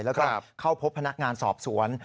แล้วก็เข้าพบพนักงานสอบสวน